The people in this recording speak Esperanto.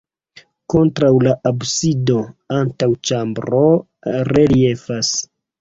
Kontraŭ la absido antaŭĉambro reliefas.